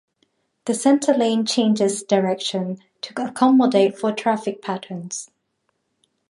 The centre lane changes direction to accommodate for traffic patterns.